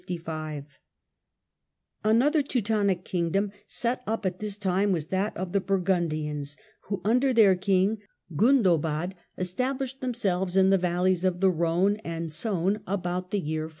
The Bur Another Teutonic kingdom set up at this time was that of the Burgundians, who under their king, Gundo bad, established themselves in the valleys of the Rhone and Saone about the year 443.